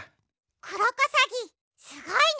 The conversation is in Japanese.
クロコサギすごいね！